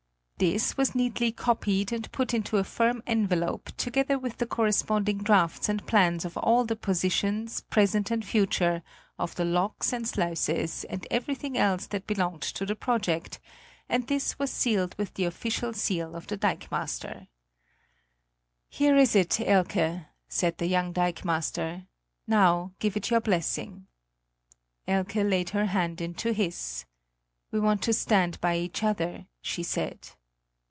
This was neatly copied and put into a firm envelope together with the corresponding drafts and plans of all the positions, present and future, of the locks and sluices and everything else that belonged to the project; and this was sealed with the official seal of the dikemaster. "Here it is, Elke," said the young dikemaster; "now give it your blessing." Elke laid her hand into his: "We want to stand by each other," she said.